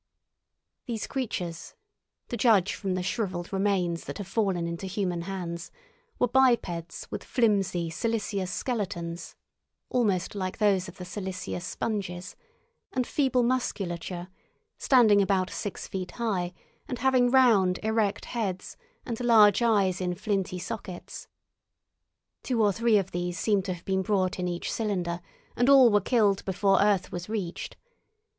These creatures, to judge from the shrivelled remains that have fallen into human hands, were bipeds with flimsy, silicious skeletons (almost like those of the silicious sponges) and feeble musculature, standing about six feet high and having round, erect heads, and large eyes in flinty sockets. Two or three of these seem to have been brought in each cylinder, and all were killed before earth was reached.